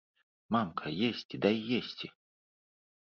Мамка, есці, дай есці!